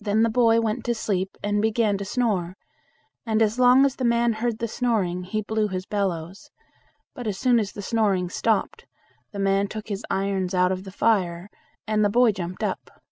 Then the boy went to sleep and began to snore, and as long as the man heard the snoring, he blew his bellows; but as soon as the snoring stopped, the man took his irons out of the fire, and the boy jumped up.